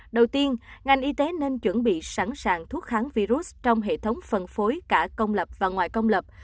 đầu tiên ngành y tế nên chuẩn bị sẵn sàng thuốc kháng virus trong hệ thống phân phối cả công lập và ngoài công lập